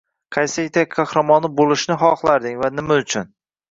Qaysi ertak qahramoni bo‘lishni xohlarding va nima uchun?